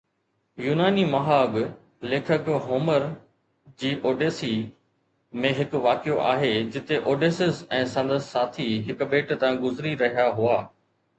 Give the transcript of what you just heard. يوناني مهاڳ ليکڪ هومر جي اوڊيسي ۾، هڪ واقعو آهي جتي اوڊيسيس ۽ سندس ساٿي هڪ ٻيٽ تان گذري رهيا هئا.